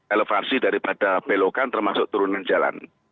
elevasi daripada belokan termasuk turunan jalan